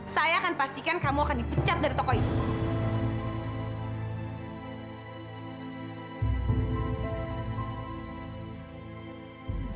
saya akan pastikan kamu akan dipecat dari tokoh ini